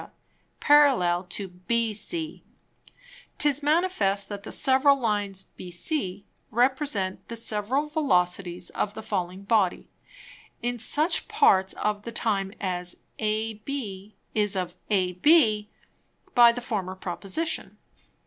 _ parallel to BC, 'tis manifest that the several Lines, bc, represent the several Velocities of the falling Body, in such Parts of the Time as Ab is of AB, by the former Proposition.